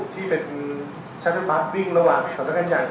ที่เป็นชัดเบอร์บัสุดยอดระหว่างขนาดการอย่าง